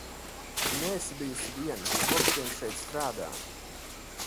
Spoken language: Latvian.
Tu neesi bijusi viena, kopš vien šeit strādā.